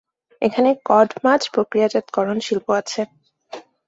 এখানে কড মাছ প্রক্রিয়াজাতকরণ শিল্প আছে।